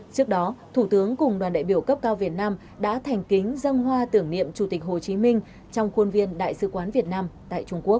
trước đó thủ tướng cùng đoàn đại biểu cấp cao việt nam đã thành kính dân hoa tưởng niệm chủ tịch hồ chí minh trong khuôn viên đại sứ quán việt nam tại trung quốc